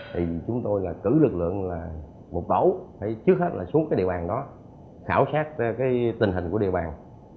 thì chúng tôi cứ lực lượng là một đổ trước hết là xuống cái địa bàn đó khảo sát cái tình hình của địa bàn